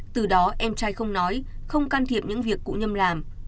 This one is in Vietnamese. từ đó em trai không nói không can thiệp những việc cụ nhâm làm